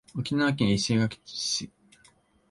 沖縄県石垣市